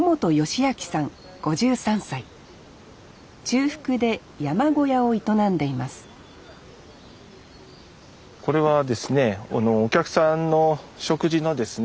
中腹で山小屋を営んでいますこれはですねお客さんの食事のですね